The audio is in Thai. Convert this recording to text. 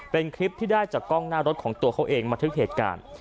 เป็นคลิปที่ได้จากกล้องหน้ารถของตัวเขาเองบันทึกเหตุการณ์